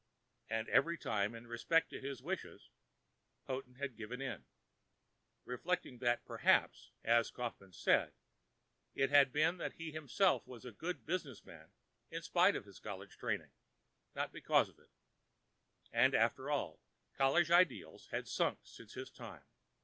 And each time, in respect to his wishes, Houghton had given in, reflecting that perhaps (as Kaufmann said) it had been that he, himself, was a good business man in spite of his college training, not because of it; and, after all, college ideals had sunk since his time.